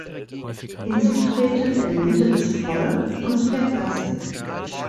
Hinzu treten Elemente des Folk und der Klassik.